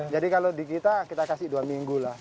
jadi kalau di kita kita kasih dua minggu lah